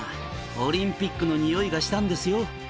「オリンピックのにおいがしたんですよ」